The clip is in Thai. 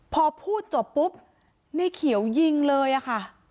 พอพูดจบปุ๊บในเขียวยิงเลยอะค่ะ